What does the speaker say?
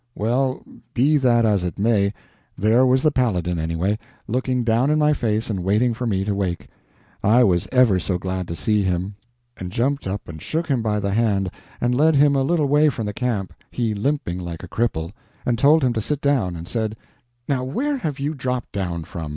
Well, be that as it may, there was the Paladin, anyway, looking down in my face and waiting for me to wake. I was ever so glad to see him, and jumped up and shook him by the hand, and led him a little way from the camp—he limping like a cripple—and told him to sit down, and said: "Now, where have you dropped down from?